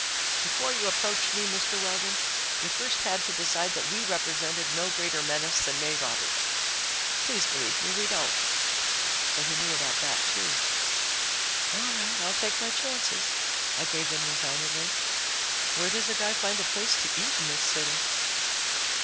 "Before you approached me, Mr. Weldon, you first had to decide that we represented no greater menace than May Roberts. Please believe me, we don't." So he knew about that, too! "All right, I'll take my chances," I gave in resignedly. "Where does a guy find a place to eat in this city?"